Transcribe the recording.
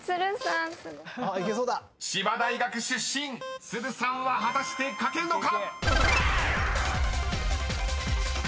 ［千葉大学出身都留さんは果たして書けるのか⁉］